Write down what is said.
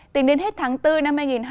tính đến hết tháng bốn